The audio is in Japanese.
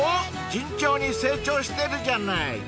順調に成長してるじゃない］